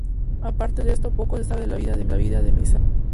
Aparte de esto, poco se sabe de la vida de Misawa.